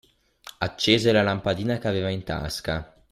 Accese la lampadina che aveva in tasca.